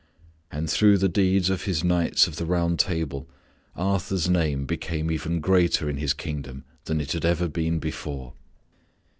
And through the deeds of his knights of the Round Table Arthur's name became even greater in his kingdom than it had ever been before.